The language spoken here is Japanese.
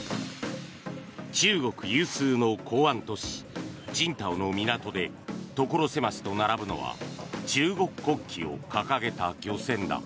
中国有数の港湾都市青島の港で所狭しと並ぶのは中国国旗を掲げた漁船だ。